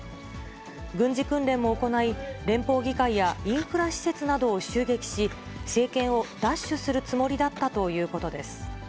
軍事訓練も行い、連邦議会やインフラ施設などを襲撃し、政権を奪取するつもりだったということです。